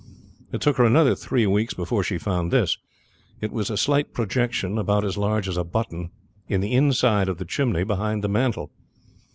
It took her another three weeks before she found this. It was a slight projection, about as large as a button, in the inside of the chimney behind the mantel.